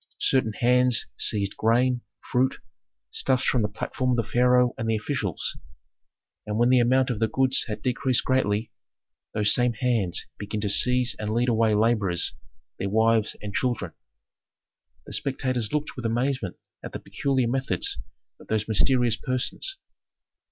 Certain hands seized grain, fruit, stuffs from the platforms of the pharaoh and the officials; and when the amount of the goods had decreased greatly, those same hands began to seize and lead away laborers, their wives and children. The spectators looked with amazement at the peculiar methods of those mysterious persons.